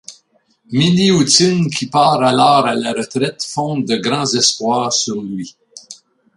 Milioutine qui part alors à la retraite fonde de grands espoirs sur lui.